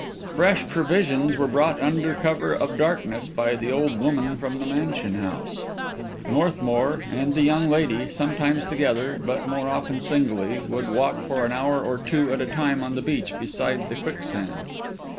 Fresh provisions were brought under cover of darkness by the old woman from the mansion house. Northmour, and the young lady, sometimes together, but more often singly, would walk for an hour or two at a time on the beach beside the quicksand.